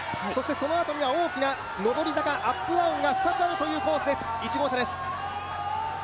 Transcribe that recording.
そのあとには大きな上り坂、アップダウンが２つあるというコースです、１号車です。